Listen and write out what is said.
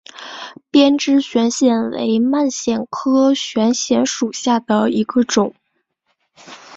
鞭枝悬藓为蔓藓科悬藓属下的一个种。